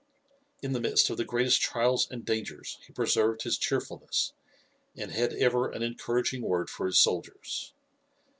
In the midst of the greatest trials and dangers he preserved his cheerfulness, and had ever an encouraging word for his soldiers.